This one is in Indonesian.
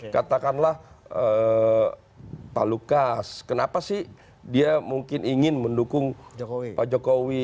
katakanlah pak lukas kenapa sih dia mungkin ingin mendukung pak jokowi